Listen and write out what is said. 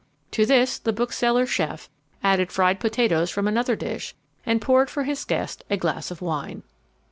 To this the bookseller chef added fried potatoes from another dish, and poured for his guest a glass of wine.